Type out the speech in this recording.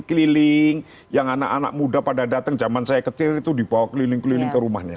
keliling yang anak anak muda pada datang zaman saya kecil itu dibawa keliling keliling ke rumahnya